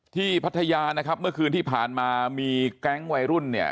พัทยานะครับเมื่อคืนที่ผ่านมามีแก๊งวัยรุ่นเนี่ย